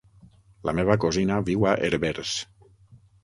La meva cosina viu a Herbers.